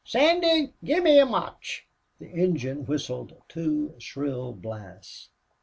Sandy, gimme a motch." The engine whistled two shrill blasts.